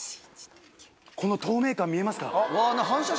この透明感見えますか？